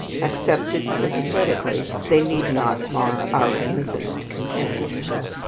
Accepted sympathetically, they need not mar our infinite content.